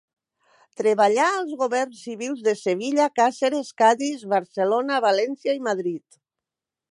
Treballà als governs civils de Sevilla, Càceres, Cadis, Barcelona, València i Madrid.